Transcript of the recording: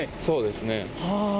そうですね。